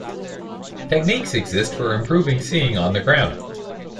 Techniques exist for improving seeing on the ground.